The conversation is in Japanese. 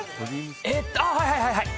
あっはいはいはいはい。